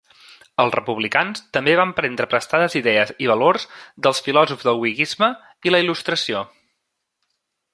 Els republicans també van prendre prestades idees i valors dels filòsofs del whiggisme i la il·lustració.